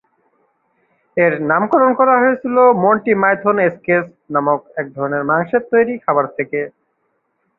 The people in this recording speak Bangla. এর নামকরণ করা হয়েছে "মন্টি পাইথন স্কেচ" নামক এক ধরনের মাংসের তৈরি খাবার থেকে।